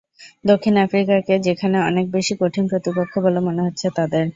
দক্ষিণ আফ্রিকাকে যেখানে অনেক বেশি কঠিন প্রতিপক্ষ বলে মনে হচ্ছে তাদের।